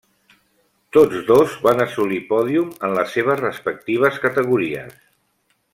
Tots dos van assolir pòdium en les seves respectives categories.